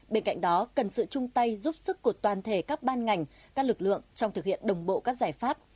bên cạnh đó cần sự chung tay giúp sức của toàn thể các ban ngành các lực lượng trong thực hiện đồng bộ các giải pháp